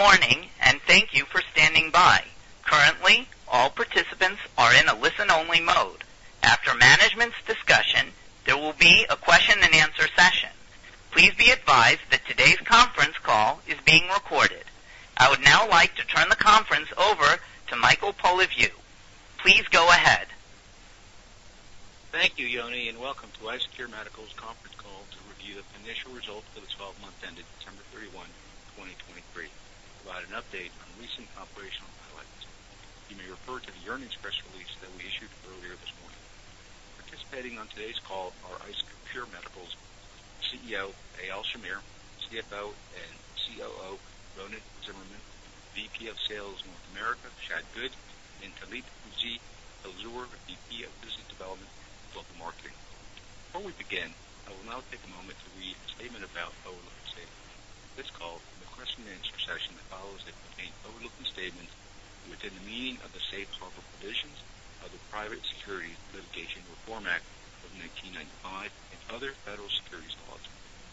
Good morning, and thank you for standing by. Currently, all participants are in a listen-only mode. After management's discussion, there will be a question-and-answer session. Please be advised that today's conference call is being recorded. I would now like to turn the conference over to Michael Polyviou. Please go ahead. Thank you, Yoni, and welcome to IceCure Medical's conference call to review the initial results of the 12-month ended December 31, 2023, to provide an update on recent operational highlights. You may refer to the earnings press release that we issued earlier this morning. Participating on today's call are IceCure Medical's CEO Eyal Shamir, CFO and COO Ronen Tsimerman, VP of Sales North America Shad Good, and Tlalit Tel-Tzure, VP of Business Development and Global Marketing. Before we begin, I will now take a moment to read a statement about forward-looking statements. This call, in the question-and-answer session that follows, will contain forward-looking statements within the meaning of the Safe Harbor Provisions of the Private Securities Litigation Reform Act of 1995 and other federal securities laws.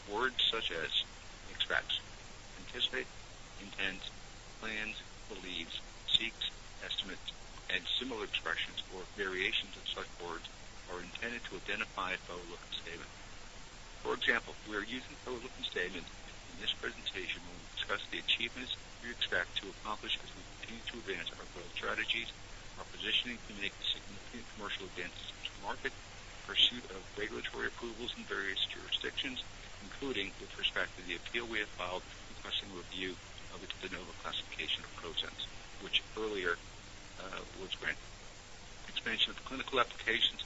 Words such as "expects," "anticipate," "intends," "plans," "believes," "seeks," "estimates," and similar expressions or variations of such words are intended to identify a forward-looking statement. For example, we are using forward-looking statements in this presentation when we discuss the achievements we expect to accomplish as we continue to advance our growth strategies, our positioning to make significant commercial advances into the market, the pursuit of regulatory approvals in various jurisdictions, including with respect to the appeal we have filed requesting review of its De Novo classification process, which earlier was granted. Expansion of clinical applications,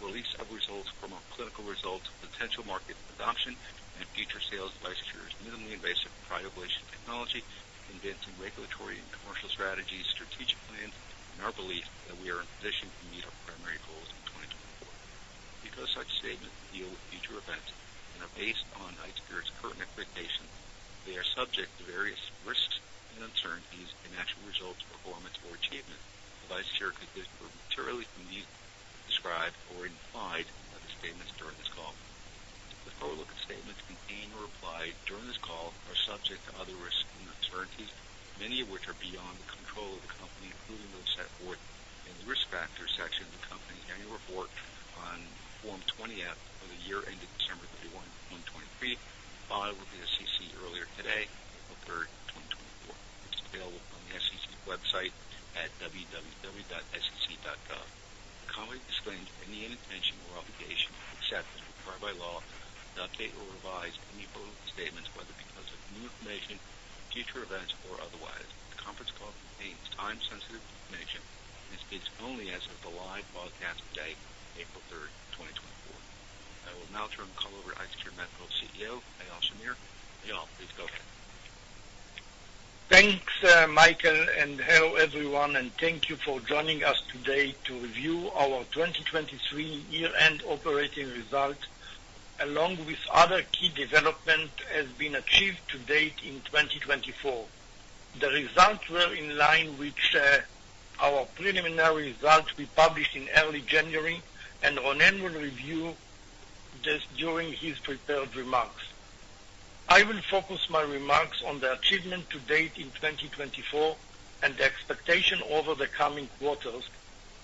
release of results from our clinical results, potential market adoption, and future sales of IceCure's minimally invasive cryoablation technology including regulatory and commercial strategies, strategic plans, and our belief that we are in a position to meet our primary goals in 2024. Because such statements deal with future events and are based on IceCure's current expectations, they are subject to various risks and uncertainties that actual results, performance, or achievements may be materially different from those described or implied by the statements made during this call. The forward-looking statements made during this call are subject to other risks and uncertainties, many of which are beyond the control of the company, including those set forth in the risk factors section of the company's annual report on Form 20-F for the year ended December 31, 2023, filed with the SEC earlier today, April 3, 2024. It's available on the SEC website at www.sec.gov. The company disclaims any intention or obligation, except as required by law, to update or revise any forward-looking statements, whether because of new information, future events, or otherwise. The conference call contains time-sensitive information and speaks only as of the live broadcast today, April 3, 2024. I will now turn the call over to IceCure Medical's CEO Eyal Shamir. Eyal, please go ahead. Thanks, Michael, and hello everyone. Thank you for joining us today to review our 2023 year-end operating results along with other key developments that have been achieved to date in 2024. The results were in line with our preliminary results we published in early January, and Ronen will review this during his prepared remarks. I will focus my remarks on the achievements to date in 2024 and the expectations over the coming quarters,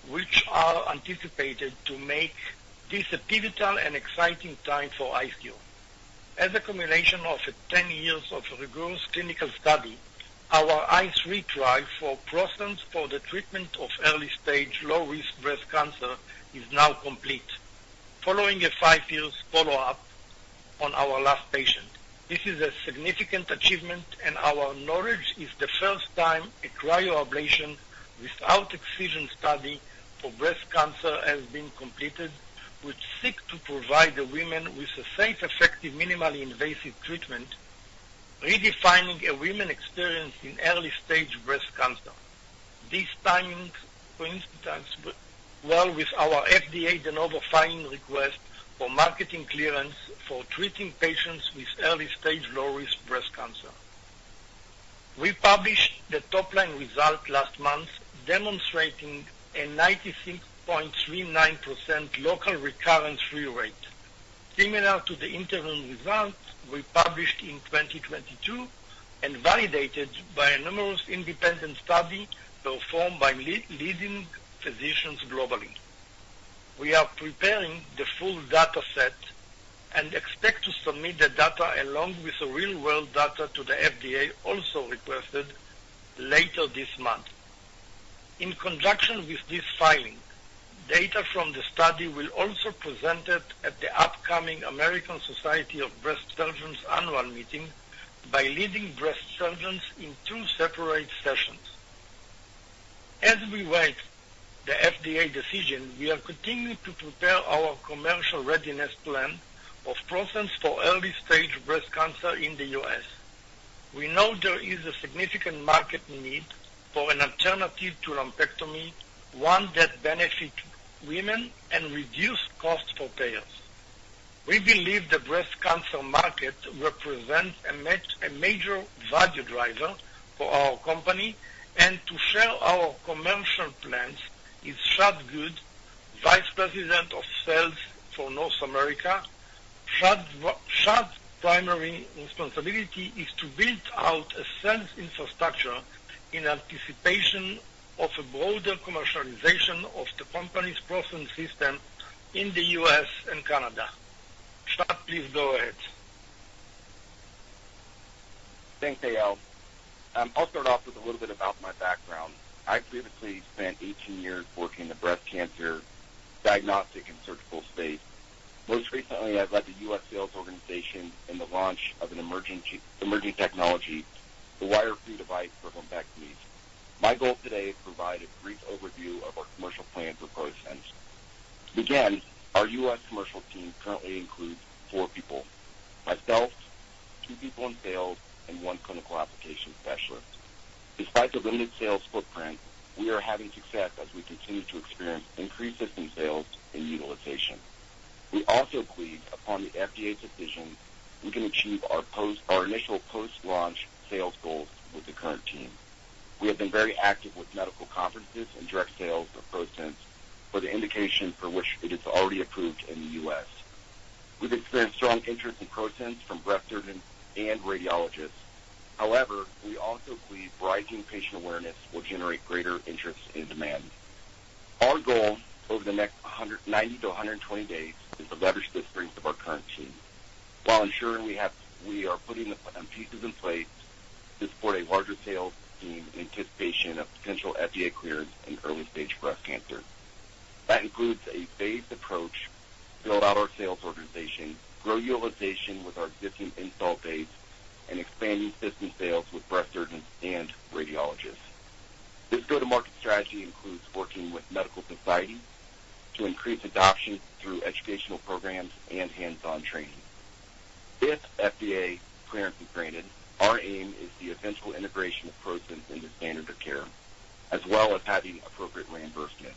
which are anticipated to make this a pivotal and exciting time for IceCure. As a culmination of 10 years of rigorous clinical study, our ICE3 trial for the treatment of early-stage low-risk breast cancer is now complete, following a five-year follow-up on our last patient. This is a significant achievement, and to our knowledge this is the first time a cryoablation without excision study for breast cancer has been completed, which seeks to provide women with a safe, effective, minimally invasive treatment, redefining a woman's experience in early-stage breast cancer. This timing coincides well with our FDA De Novo filing request for marketing clearance for treating patients with early-stage low-risk breast cancer. We published the top-line result last month, demonstrating a 96.39% local recurrence free rate, similar to the interim result we published in 2022 and validated by numerous independent studies performed by leading physicians globally. We are preparing the full dataset and expect to submit the data along with real-world data to the FDA, as requested, later this month. In conjunction with this filing, data from the study will also be presented at the upcoming American Society of Breast Surgeons annual meeting by leading breast surgeons in two separate sessions. As we await the FDA decision, we are continuing to prepare our commercial readiness plan for ProSense for early-stage breast cancer in the US. We know there is a significant market need for an alternative to lumpectomy, one that benefits women and reduces costs for payers. We believe the breast cancer market represents a major value driver for our company, and to share our commercial plans is Shad Good, Vice President of Sales for North America. Shad's primary responsibility is to build out a sales infrastructure in anticipation of a broader commercialization of the company's ProSense system in the U.S. and Canada. Shad, please go ahead. Thanks, Eyal. I'll start off with a little bit about my background. I've previously spent 18 years working in the breast cancer diagnostic and surgical space. Most recently, I've led the U.S. sales organization in the launch of an emerging technology, the wire-free device for lumpectomies. My goal today is to provide a brief overview of our commercial plans and ProSense. To begin, our U.S. commercial team currently includes four people: myself, two people in sales, and one clinical application specialist. Despite the limited sales footprint, we are having success as we continue to experience increased system sales and utilization. We also believe, upon the FDA's decision, we can achieve our initial post-launch sales goals with the current team. We have been very active with medical conferences and direct sales of ProSense for the indication for which it is already approved in the U.S. We've experienced strong interest in ProSense from breast surgeons and radiologists. However, we also believe rising patient awareness will generate greater interest and demand. Our goal over the next 90-120 days is to leverage the strengths of our current team while ensuring we are putting pieces in place to support a larger sales team in anticipation of potential FDA clearance in early-stage breast cancer. That includes a phased approach, build out our sales organization, grow utilization with our existing install base, and expanding system sales with breast surgeons and radiologists. This go-to-market strategy includes working with medical societies to increase adoption through educational programs and hands-on training. If FDA clearance is granted, our aim is the eventual integration of ProSense into standard of care, as well as having appropriate reimbursement.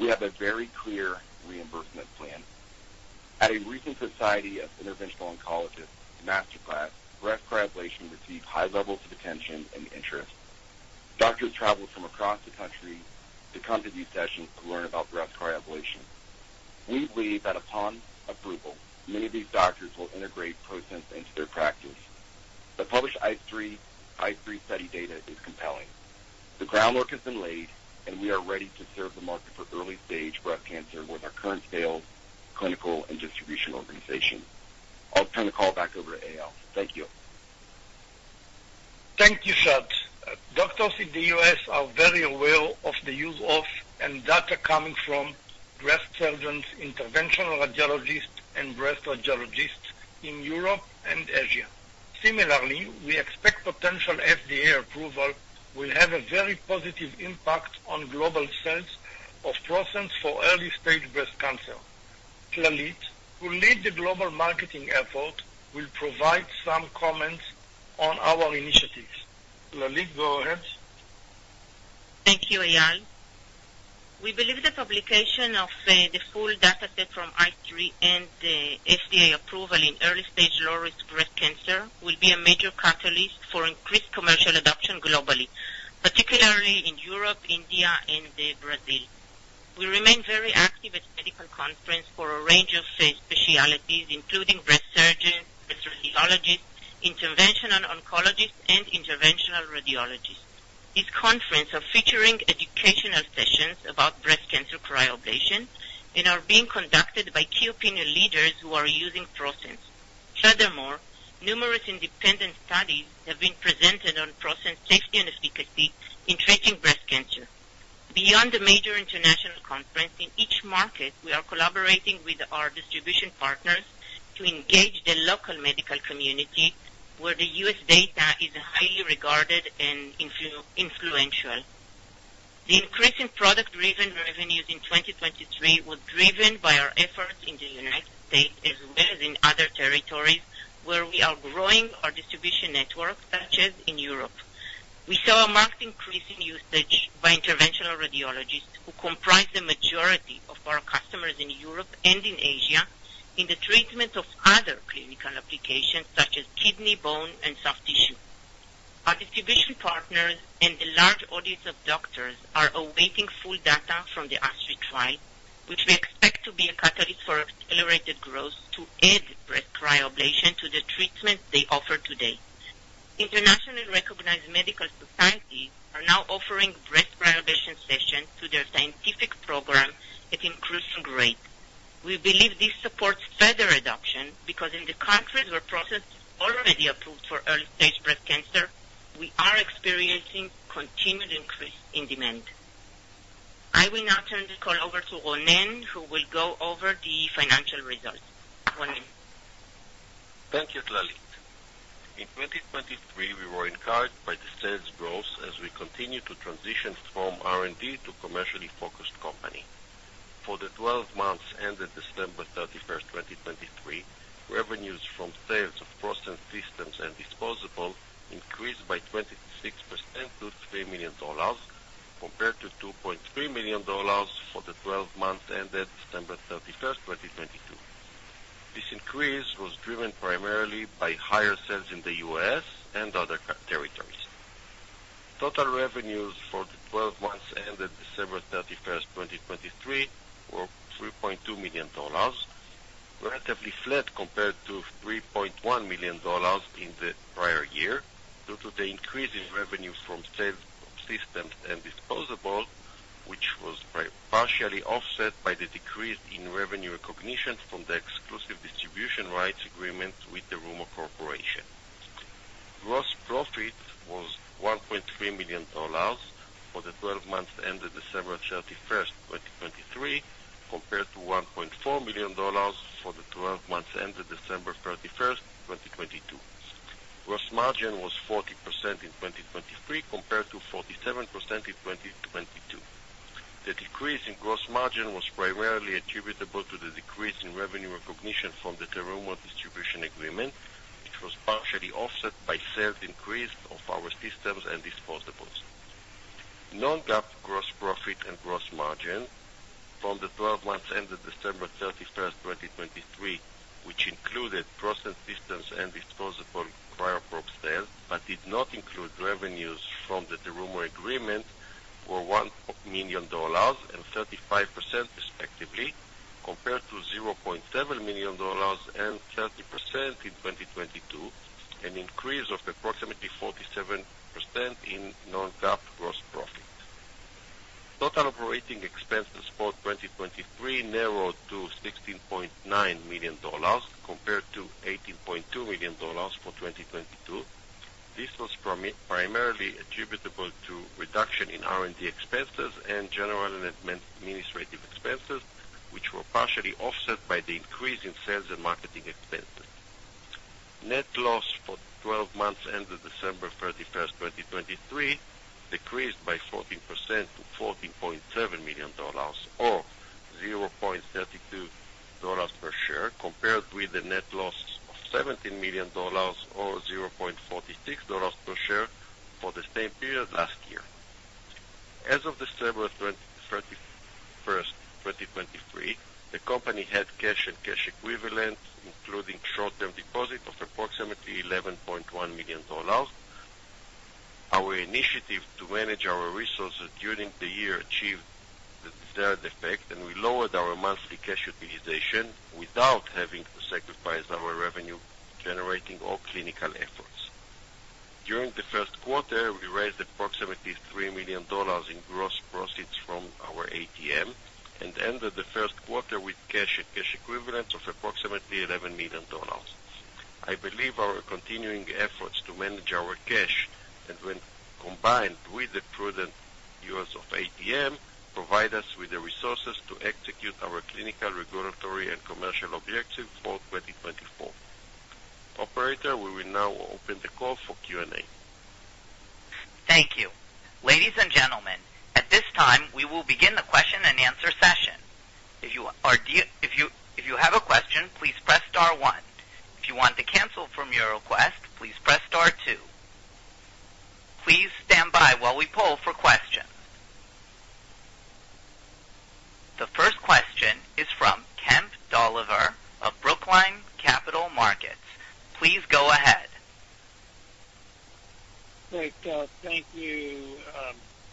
We have a very clear reimbursement plan. At a recent Society of Interventional Oncologists masterclass, breast cryoablation received high levels of attention and interest. Doctors traveled from across the country to come to these sessions to learn about breast cryoablation. We believe that upon approval, many of these doctors will integrate ProSense into their practice. The published ICE3 study data is compelling. The groundwork has been laid, and we are ready to serve the market for early-stage breast cancer with our current sales, clinical, and distribution organization. I'll turn the call back over to Eyal. Thank you. Thank you, Shad. Doctors in the U.S. are very aware of the use of and data coming from breast surgeons, interventional radiologists, and breast radiologists in Europe and Asia. Similarly, we expect potential FDA approval will have a very positive impact on global sales of ProSense for early-stage breast cancer. Tlalit, who lead the global marketing effort, will provide some comments on our initiatives. Tlalit, go ahead. Thank you, Eyal. We believe the publication of the full dataset from ICE3 and the FDA approval in early-stage low-risk breast cancer will be a major catalyst for increased commercial adoption globally, particularly in Europe, India, and Brazil. We remain very active at medical conferences for a range of specialties, including breast surgeons, breast radiologists, interventional oncologists, and interventional radiologists. These conferences are featuring educational sessions about breast cancer cryoablation and are being conducted by key opinion leaders who are using ProSense. Furthermore, numerous independent studies have been presented on ProSense safety and efficacy in treating breast cancer. Beyond the major international conference, in each market, we are collaborating with our distribution partners to engage the local medical community, where the U.S. data is highly regarded and influential. The increase in product-driven revenues in 2023 was driven by our efforts in the United States, as well as in other territories where we are growing our distribution network, such as in Europe. We saw a marked increase in usage by interventional radiologists, who comprise the majority of our customers in Europe and in Asia, in the treatment of other clinical applications, such as kidney, bone, and soft tissue. Our distribution partners and the large audience of doctors are awaiting full data from the ICE3 trial, which we expect to be a catalyst for accelerated growth to add breast cryoablation to the treatments they offer today. Internationally recognized medical societies are now offering breast cryoablation sessions to their scientific program at increasing rate. We believe this supports further adoption because, in the countries where procedures are already approved for early-stage breast cancer, we are experiencing continued increase in demand. I will now turn the call over to Ronen, who will go over the financial results. Ronen. Thank you, Tlalit. In 2023, we were encouraged by the sales growth as we continue to transition from R&D to commercially focused companies. For the 12 months ended December 31, 2023, revenues from sales of ProSense systems and disposables increased by 26% to $3 million compared to $2.3 million for the 12 months ended December 31, 2022. This increase was driven primarily by higher sales in the U.S. and other territories. Total revenues for the 12 months ended December 31, 2023, were $3.2 million, relatively flat compared to $3.1 million in the prior year due to the increase in revenues from sales of systems and disposables, which was partially offset by the decrease in revenue recognition from the exclusive distribution rights agreement with the Terumo Corporation. Gross profit was $1.3 million for the 12 months ended December 31, 2023, compared to $1.4 million for the 12 months ended December 31, 2022. Gross margin was 40% in 2023 compared to 47% in 2022. The decrease in gross margin was primarily attributable to the decrease in revenue recognition from the Terumo Distribution Agreement, which was partially offset by sales increase of our systems and disposables. non-GAAP gross profit and gross margin for the 12 months ended December 31, 2023, which included ProSense systems and disposable cryoprobe sales but did not include revenues from the Terumo Agreement, were $1 million and 35%, respectively, compared to $0.7 million and 30% in 2022, an increase of approximately 47% in non-GAAP gross profit. Total operating expenses for 2023 narrowed to $16.9 million compared to $18.2 million for 2022. This was primarily attributable to reduction in R&D expenses and general administrative expenses, which were partially offset by the increase in sales and marketing expenses. Net loss for 12 months ended December 31, 2023, decreased by 14% to $14.7 million or $0.32 per share compared with a net loss of $17 million or $0.46 per share for the same period last year. As of December 31, 2023, the company had cash and cash equivalents, including short-term deposit of approximately $11.1 million. Our initiative to manage our resources during the year achieved the desired effect, and we lowered our monthly cash utilization without having to sacrifice our revenue-generating or clinical efforts. During the first quarter, we raised approximately $3 million in gross proceeds from our ATM and ended the first quarter with cash and cash equivalents of approximately $11 million. I believe our continuing efforts to manage our cash and, when combined with the prudent use of ATM, provide us with the resources to execute our clinical, regulatory, and commercial objectives for 2024. Operator, we will now open the call for Q&A. Thank you. Ladies and gentlemen, at this time, we will begin the question-and-answer session. If you have a question, please press star one. If you want to cancel from your request, please press star two. Please stand by while we pull for questions. The first question is from Kemp Dolliver of Brookline Capital Markets. Please go ahead. Great. Thank you,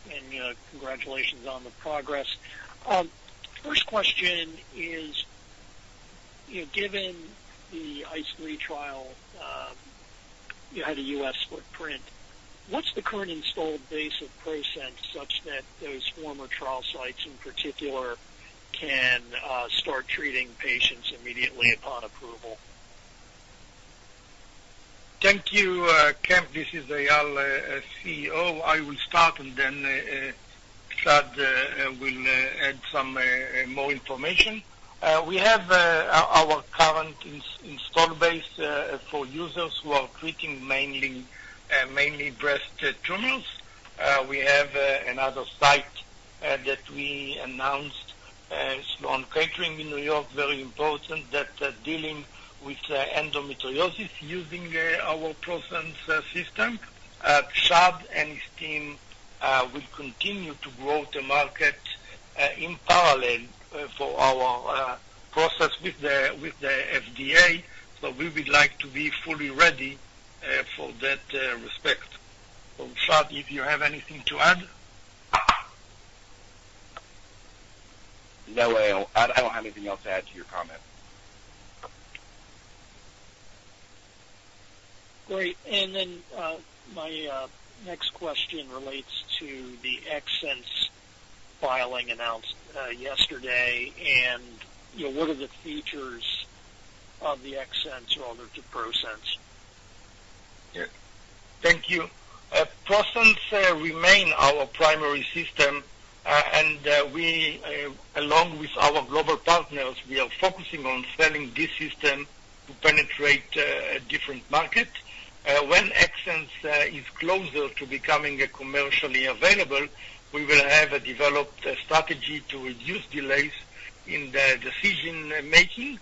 and congratulations on the progress. First question is, given the ICE3 trial ahead of U.S. footprint, what's the current installed base of ProSense such that those former trial sites, in particular, can start treating patients immediately upon approval? Thank you, Kemp. This is Eyal, CEO. I will start, and then Shad will add some more information. We have our current installed base for users who are treating mainly breast tumors. We have another site that we announced, Sloan Kettering in New York, very important, that's dealing with endometriosis using our ProSense system. Shad and his team will continue to grow the market in parallel for our progress with the FDA, so we would like to be fully ready in that respect. So Shad, if you have anything to add. No, Eyal. I don't have anything else to add to your comment. Great. And then my next question relates to the XSense filing announced yesterday. And what are the features of the XSense relative to ProSense? Thank you. ProSense remains our primary system, and along with our global partners, we are focusing on selling this system to penetrate a different market. When XSense is closer to becoming commercially available, we will have a developed strategy to reduce delays in decision-making.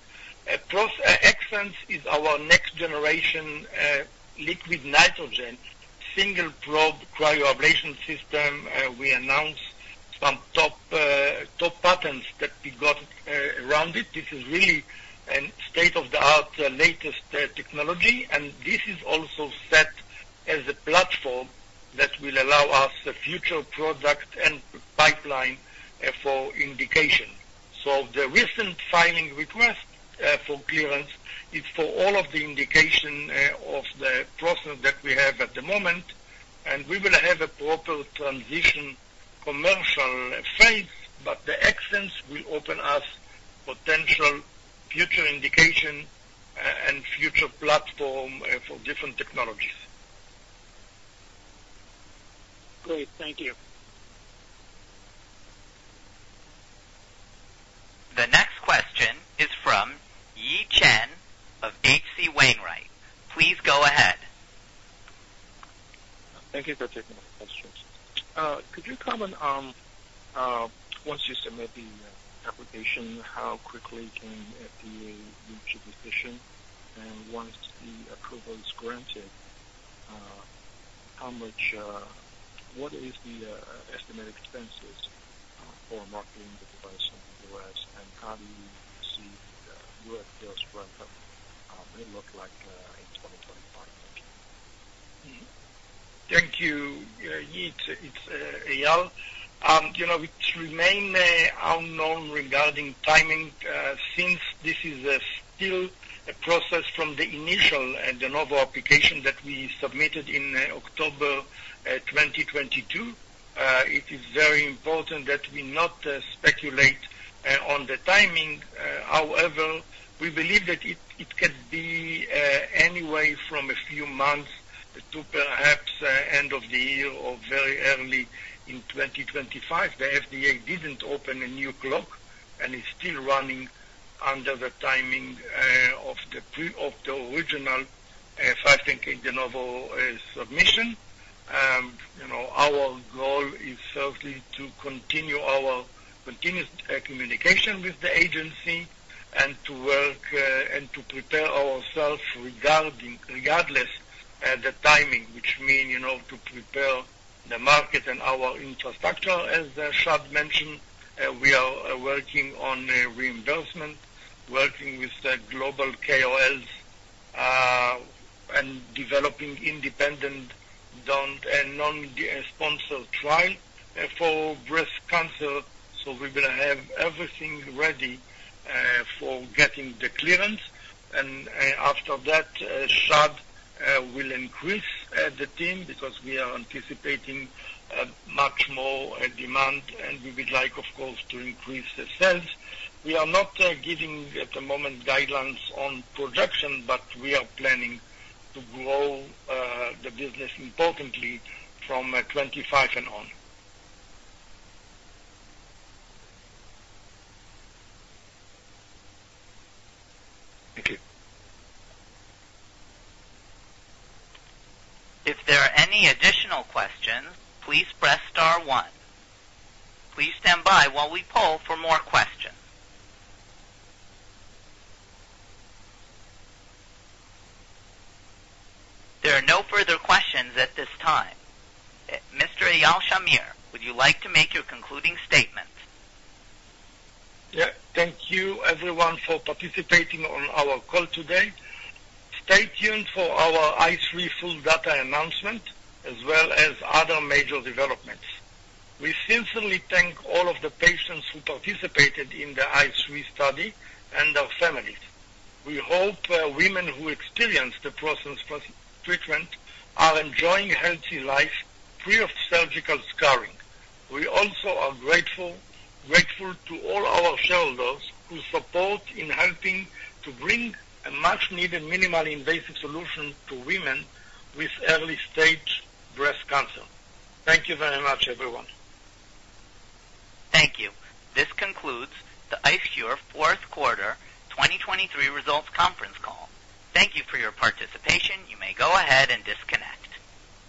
XSense is our next-generation liquid nitrogen, single-probe cryoablation system. We announced some top patents that we got around it. This is really a state-of-the-art, latest technology, and this is also set as a platform that will allow us a future product and pipeline for indication. So the recent filing request for clearance is for all of the indication of the ProSense that we have at the moment, and we will have a proper transition commercial phase, but the XSense will open us potential future indication and future platform for different technologies. Great. Thank you. The next question is from Yi Chen of HC Wainwright. Please go ahead. Thank you for taking my question. Could you comment on, once you submit the application, how quickly can FDA reach a decision? And once the approval is granted, what are the estimated expenses for marketing the device in the U.S., and how do you see Europe's brand may look like in 2025? Thank you. Thank you, Yi Chen Its Eyal. It remains unknown regarding timing since this is still a process from the initial De Novo application that we submitted in October 2022. It is very important that we not speculate on the timing. However, we believe that it can be anyway from a few months to perhaps the end of the year or very early in 2025. The FDA didn't open a new clock, and it's still running under the timing of the original 510(k) De Novo submission. Our goal is certainly to continue our continuous communication with the agency and to work and to prepare ourselves regardless of the timing, which means to prepare the market and our infrastructure. As Shad mentioned, we are working on reimbursement, working with global KOLs, and developing independent and non-sponsored trials for breast cancer. So we will have everything ready for getting the clearance. After that, Shad will increase the team because we are anticipating much more demand, and we would like, of course, to increase the sales. We are not giving at the moment guidelines on projection, but we are planning to grow the business importantly from 2025 and on. Thank you. If there are any additional questions, please press star one. Please stand by while we pull for more questions. There are no further questions at this time. Mr. Eyal Shamir, would you like to make your concluding statement? Yeah. Thank you, everyone, for participating on our call today. Stay tuned for our ICE3 full data announcement as well as other major developments. We sincerely thank all of the patients who participated in the ICE3 study and their families. We hope women who experienced the ProSense treatment are enjoying a healthy life free of surgical scarring. We also are grateful to all our shareholders who support in helping to bring a much-needed, minimally invasive solution to women with early-stage breast cancer. Thank you very much, everyone. Thank you. This concludes the IceCure fourth quarter 2023 results conference call. Thank you for your participation. You may go ahead and disconnect.